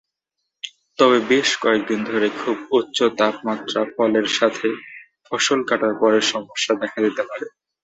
তবে বেশ কয়েক দিন ধরে খুব উচ্চ তাপমাত্রা ফলের সাথে ফসল কাটার পরে সমস্যা দেখা দিতে পারে।